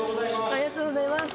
ありがとうございます。